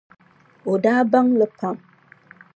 O daa baŋ li pam.